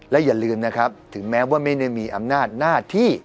และอย่าลืมนะครับถึงแม้ว่าไม่ได้มีอำนาจหน้าที่